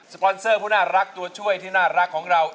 ปอนเซอร์ผู้น่ารักตัวช่วยที่น่ารักของเรา